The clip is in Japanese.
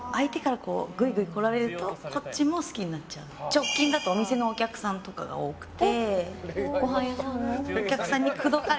直近だとお店のお客さんとかが多くて。